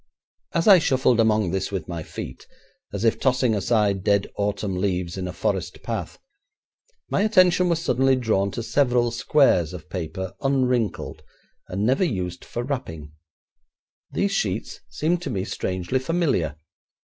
As I shuffled among this with my feet, as if tossing aside dead autumn leaves in a forest path, my attention was suddenly drawn to several squares of paper, unwrinkled, and never used for wrapping. These sheets seemed to me strangely familiar.